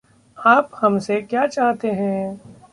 आप हम से क्या चाहते हैं?